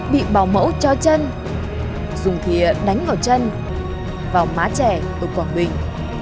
bị bảo mẫu cho chân dùng thịa đánh vào chân vào má trẻ ở quảng bình